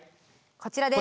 こちらです。